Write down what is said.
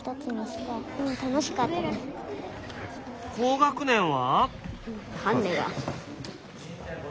高学年は？